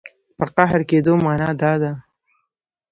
په قهر کېدو معنا دا ده.